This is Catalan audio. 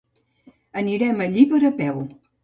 Anirem a Llíber a peu.